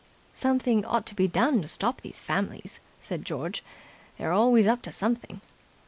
"Something ought to be done to stop these families," said George. "They're always up to something."